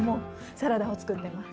サラダを作ってます。